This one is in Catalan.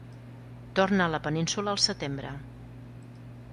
Torna a la península al setembre.